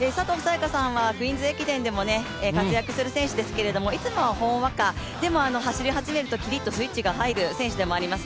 也伽さんはクイーンズ駅伝でも活躍する選手ですが、いつもはほんわか、でも走り始めるとキリッとスイッチが入る選手でもあります。